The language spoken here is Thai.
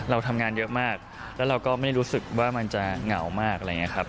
เราทำงานเยอะมากแล้วเราก็ไม่ได้รู้สึกว่ามันจะเหงามากอะไรอย่างนี้ครับ